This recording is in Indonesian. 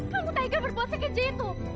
kamu taiga berbuat sekej itu